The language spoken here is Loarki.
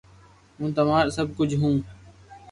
ھون تمارو سب ڪجھ ھون